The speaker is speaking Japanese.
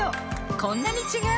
こんなに違う！